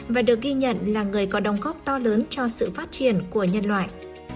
và được ghi nhận là người có đóng góp to lớn cho sự phát triển của nhân loại